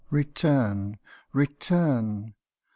' Return, return !